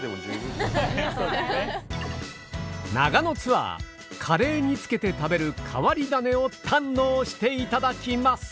長野ツアーカレーにつけて食べる変わり種を堪能していただきます。